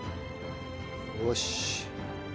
よし。